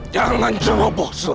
jangan jemoboh suraka